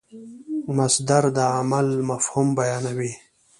مصدر د عمل مفهوم بیانوي.